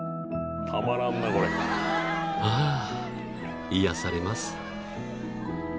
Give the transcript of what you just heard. ［あ癒やされます］